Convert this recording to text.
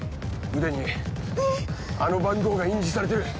腕にあの番号が印字されてる。